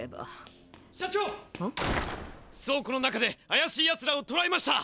そうこの中であやしいやつらをとらえました！